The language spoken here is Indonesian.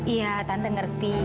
iya tante ngerti